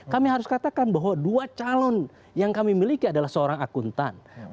kami harus katakan bahwa dua calon yang kami miliki adalah seorang akuntan